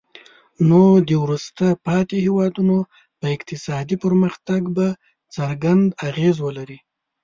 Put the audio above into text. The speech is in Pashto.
نو د وروسته پاتې هیوادونو په اقتصادي پرمختګ به څرګند اغیز ولري.